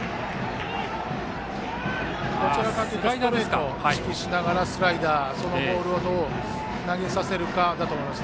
ストレートを意識しながらスライダーそのボールをどう投げさせるかだと思います。